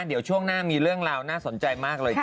เดี๋ยวช่วงหน้ามีเรื่องราวน่าสนใจมากเลย